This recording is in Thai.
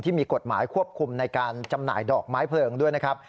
ที่มีกฎหมายควบคุมในการจำหน่ายดอกไม้เพลิงด้วยนะครับ